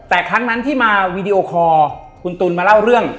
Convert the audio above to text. แต่ครั้งนั้นที่มาวีดีโอคอร์คุณตุ๋นมาเล่าเรื่อง